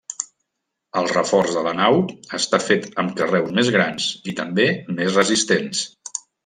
El reforç de la nau està fet amb carreus més grans i també més resistents.